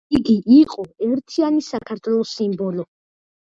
იგი იყო ერთიანი საქართველოს სიმბოლო.